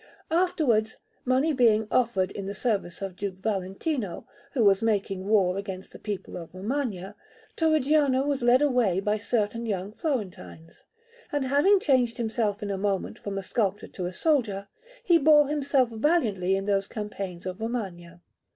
Afterwards, money being offered in the service of Duke Valentino, who was making war against the people of Romagna, Torrigiano was led away by certain young Florentines; and, having changed himself in a moment from a sculptor to a soldier, he bore himself valiantly in those campaigns of Romagna.